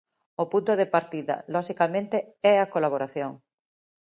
O punto de partida, loxicamente, é a colaboración.